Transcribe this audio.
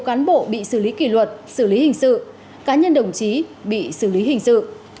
cán bộ bị xử lý kỷ luật xử lý hình sự cá nhân đồng chí bị xử lý hình sự